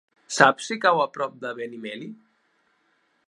Saps si cau a prop de Benimeli?